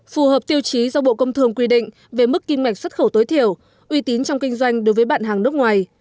phù hợp tiêu chí do bộ công thương quy định về mức kinh mạch xuất khẩu tối thiểu uy tín trong kinh doanh đối với bạn hàng nước ngoài